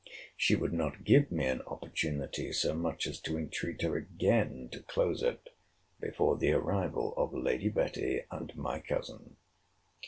She would not give me an opportunity so much as to entreat her again to close it, before the arrival of Lady Betty and my cousin.